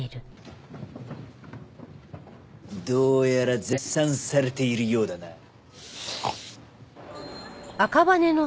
どうやら絶賛されているようだな。